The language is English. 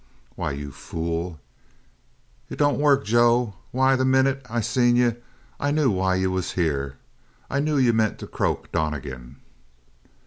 "Why, you fool " "It don't work, Joe. Why, the minute I seen you I knew why you was here. I knew you meant to croak Donnegan."